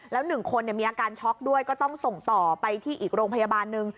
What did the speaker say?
แล้ว๑คนมีอาการช็อกด้วยก็ต้องส่งต่อไปที่อีกโรงพยาบาลหนึ่ง